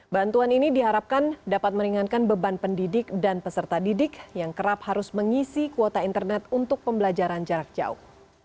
bantuan ini diharapkan dapat meringankan beban pendidik dan peserta didik yang kerap harus mengisi kuota internet untuk pembelajaran jarak jauh